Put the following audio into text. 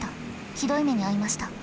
ひどい目に遭いました。